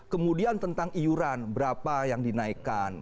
kemudian tentang iuran berapa yang dinaikkan